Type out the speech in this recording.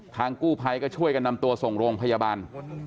กู้ภัยก็ช่วยกันนำตัวส่งโรงพยาบาล